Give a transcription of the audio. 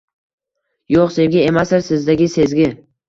Yo’q, sevgi emasdir sizdagi sezgi